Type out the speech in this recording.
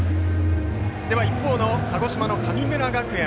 では、一方の鹿児島の神村学園